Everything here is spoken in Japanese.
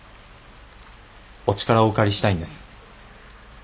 お力をお借りしたいんです。